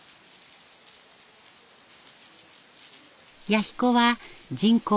弥彦は人口